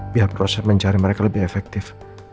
biar proses mencari mereka lebih efektif